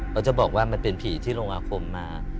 เขาจะบอกว่ามันเป็นผีที่ลงอาคมมา